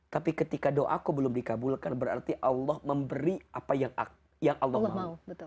tapi ketika doaku belum dikabulkan berarti allah memberi apa yang allah mau